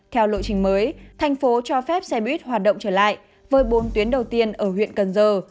theo lộ trình mới thành phố cho phép xe buýt hoạt động trở lại với bốn tuyến đầu tiên ở huyện cần giờ